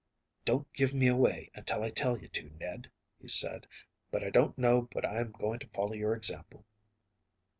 “Don’t give me away until I tell you to, Ned,‚ÄĚ he said, “but I don’t know but I am going to follow your example.